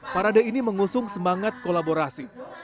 parade ini mengusung semangat kolaborasi